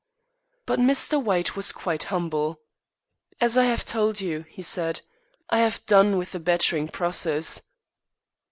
But Mr. White was quite humble. "As I have told you," he said, "I have done with the battering process."